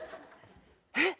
えっ？